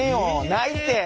ないって。